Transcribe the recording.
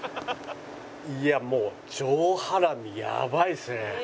いやもう上ハラミやばいですね。